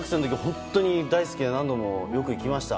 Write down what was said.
本当に大好きで何度もよく行きました。